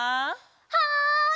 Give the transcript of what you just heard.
はい！